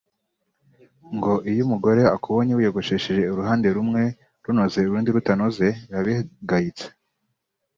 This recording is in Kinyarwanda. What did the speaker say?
ngo iyo umugore akubonye wiyogoshe uruhande rumwe runoze urundi rutanoze biba bigayitse